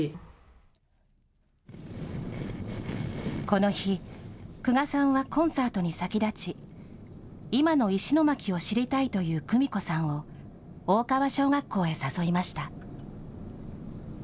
この日、久我さんはコンサートに先立ち、今の石巻を知りたいというクミコさんを大川小学校へ誘いました。